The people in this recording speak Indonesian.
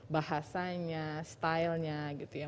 bahasanya stylenya gitu ya